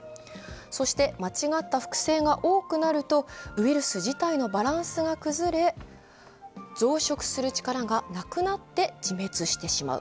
そして、間違った複製が多くなるとウイルス自体のバランスが崩れ、増殖する力がなくなって自滅してしまう。